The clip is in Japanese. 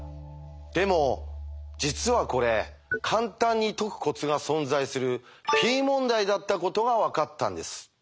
でも実はこれ簡単に解くコツが存在するＰ問題だったことが分かったんです。